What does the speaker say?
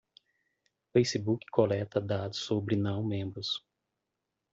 Facebook coleta dados sobre não membros.